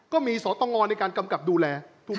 ก็มีสอต้องงอนในการกำกับดูแล